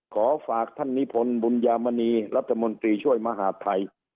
ขอฝากท่านนิพนธ์บุญยามณีรัฐมนตรีช่วยมหาดไทย